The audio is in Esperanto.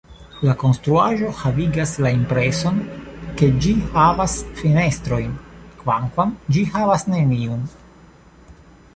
La konstruaĵo havigas la impreson ke ĝi havas fenestrojn, kvankam ĝi havas neniun.